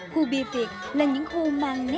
khu bia việt là những khu mang nét nhẹ